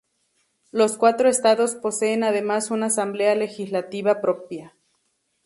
Los cuatro estados poseen además una asamblea legislativa propia.